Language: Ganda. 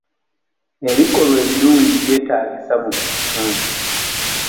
Ebikolwa ebirungi byetaagisa mu buli kitundu.